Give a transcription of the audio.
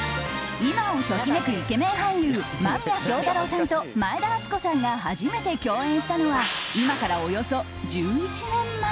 ［今を時めくイケメン俳優間宮祥太朗さんと前田敦子さんが初めて共演したのは今からおよそ１１年前］